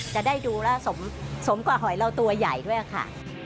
จะได้ดูแล้วสมกว่าหอยเราตัวใหญ่ด้วยค่ะ